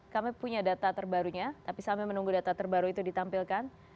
kami punya data terbarunya tapi sambil menunggu data terbaru itu ditampilkan